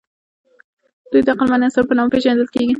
دوی د عقلمن انسان په نامه پېژندل کېږي.